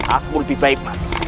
aku lebih baik